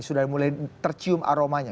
sudah mulai tercium aromanya